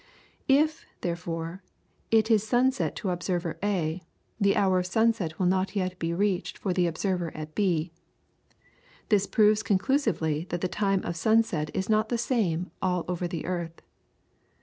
If, therefore, it is sunset to the observer at A, the hour of sunset will not yet be reached for the observer at B. This proves conclusively that the time of sunset is not the same all over the earth.